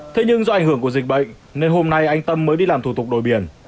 thế nhưng do ảnh hưởng của dịch bệnh nên hôm nay anh tâm mới đi làm thủ tục đổi biển